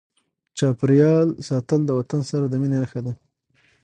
د چاپیریال ساتل د وطن سره د مینې نښه ده.